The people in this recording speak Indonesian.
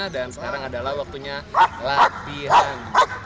dan sekarang adalah waktunya latihan